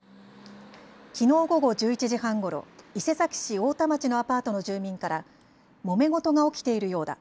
きのう午後１１時半ごろ伊勢崎市太田町のアパートの住民からもめ事が起きているようだ。